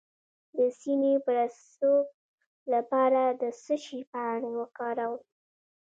د سینې د پړسوب لپاره د څه شي پاڼې وکاروم؟